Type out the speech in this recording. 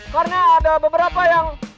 karena ada beberapa yang